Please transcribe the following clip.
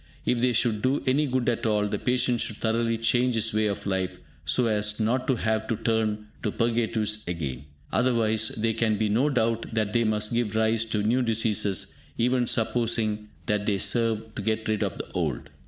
If they should do any good at all, the patient should thoroughly change his ways of life, so as not to have to turn to purgatives again; otherwise, there can be no doubt that they must give rise to new diseases, even supposing that they serve to get rid of the old.